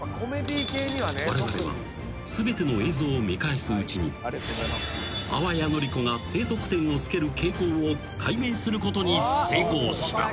［われわれは全ての映像を見返すうちに淡谷のり子が低得点をつける傾向を解明することに成功した］